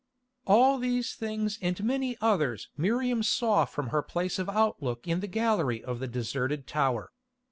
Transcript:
All these things and many others Miriam saw from her place of outlook in the gallery of the deserted tower.